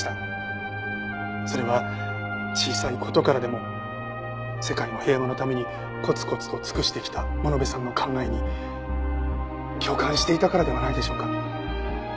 それは小さい事からでも世界の平和のためにコツコツと尽くしてきた物部さんの考えに共感していたからではないでしょうか？